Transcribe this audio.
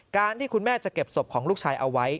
ที่คุณแม่จะเก็บศพของลูกชายเอาไว้